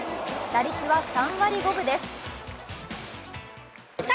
打率は３割５分です。